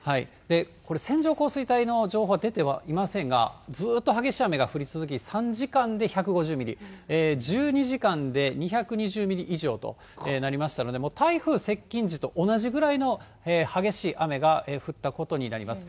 これ、線状降水帯の情報は出てはいませんが、ずっと激しい雨が降り続き、３時間で１５０ミリ、１２時間で２２０ミリ以上となりましたので、台風接近時と同じぐらいの激しい雨が降ったことになります。